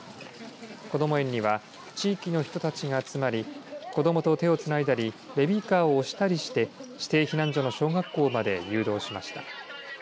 こども園には地域の人たちが集まり子どもと手をつないだりベビーカー押したりして指定避難所の小学校まで誘導しました。